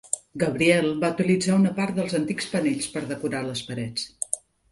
Gabriel va utilitzar una part dels antics panells per decorar les parets.